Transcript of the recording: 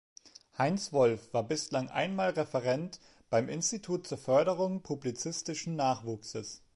Heinz Wolf war bislang einmal Referent beim Institut zur Förderung publizistischen Nachwuchses.